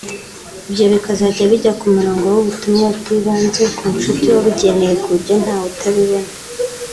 Ibyo bikazajya bijya ku murongo w’ubutumwa bw’ibanze ku nshuti wabugeneye ku buryo ntawe utabubona